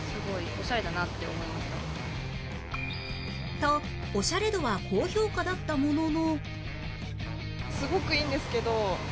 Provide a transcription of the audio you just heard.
とオシャレ度は高評価だったものの